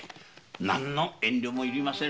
何の遠慮もいりませぬぞ。